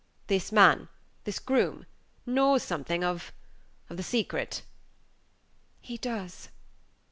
"This man this groom knows something of of the secret?" "He does."